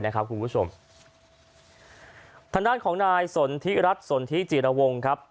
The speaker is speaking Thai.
ธนาคต์ของนายสนที่รัฐสนที่จีรวงครับ